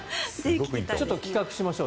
ちょっと企画しましょう。